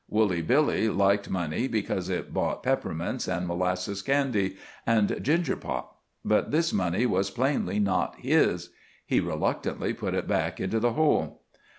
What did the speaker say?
Woolly Billy liked money because it bought peppermints, and molasses candy, and gingerpop. But this money was plainly not his. He reluctantly put it back into the hole.